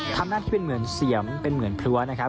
ทำหน้าที่เป็นเหมือนเสียมเป็นเหมือนพรัวนะครับ